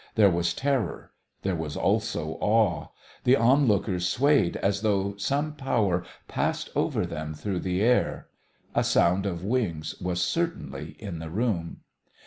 There was terror. There was also awe. The onlookers swayed as though some power passed over them through the air. A sound of wings was certainly in the room.